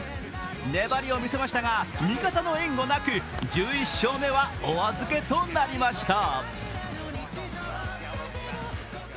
粘りを見せましたが、味方の援護なく、１１勝目はお預けとなりました。